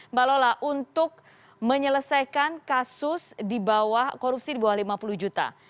mbak lola untuk menyelesaikan kasus di bawah korupsi di bawah lima puluh juta